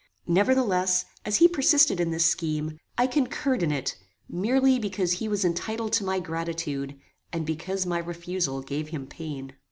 Nevertheless, as he persisted in his scheme, I concurred in it merely because he was entitled to my gratitude, and because my refusal gave him pain.